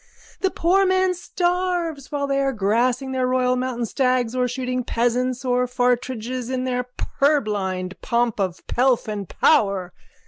The poor man starves while they are grassing their royal mountain stags or shooting peasants and phartridges in their purblind pomp of pelf and power.